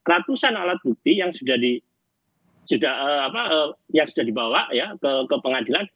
ratusan alat bukti yang sudah dibawa ke pengadilan